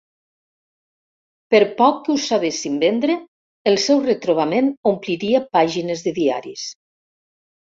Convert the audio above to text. Per poc que ho sabessin vendre, el seu retrobament ompliria pàgines de diaris.